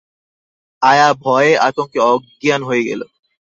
আয়া ভয়ে-আতঙ্কে অজ্ঞান হয়ে গেল।